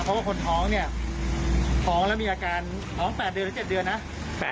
เพราะว่าคนท้องเนี่ยท้องแล้วมีอาการท้อง๘เดือนหรือ๗เดือนนะ